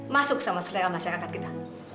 masuk sama selera masyarakat kita